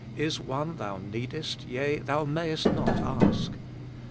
is one thou needest, yea, thou mayest not ask.